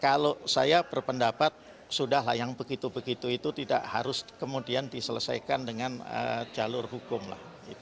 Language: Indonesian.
kalau saya berpendapat sudah lah yang begitu begitu itu tidak harus kemudian diselesaikan dengan jalur hukum lah